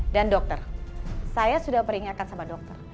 dan dokter saya sudah peringatkan sama dokter